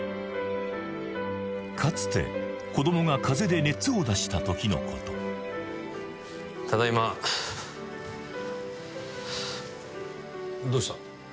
かつて子どもが風邪で熱を出した時のことただいまどうした？